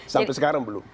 sampai sekarang belum